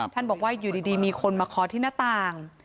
บอกว่าอยู่ดีมีคนมาคอที่หน้าต่าง